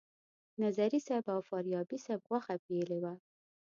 نظري صیب او فاریابي صیب غوښه پیلې وه.